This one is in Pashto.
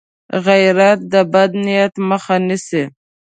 غیرت د بد نیت مخه نیسي